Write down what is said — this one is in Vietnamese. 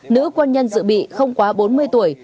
nữ quân nhân dự bị không quá bốn mươi tuổi